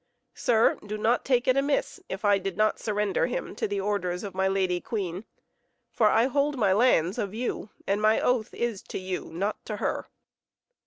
Sir, do not take it amiss if I did not surrender him to the orders of my lady queen, for I hold my lands of you, and my oath is to you, not to her."